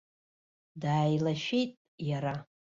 Дааилашәеит иара.